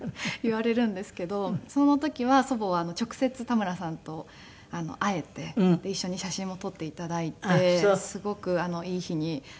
その時は祖母は直接田村さんと会えて一緒に写真も撮って頂いてすごくいい日になりまして。